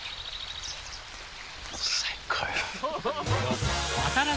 最高よ。